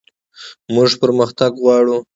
موږ پرمختګ غواړو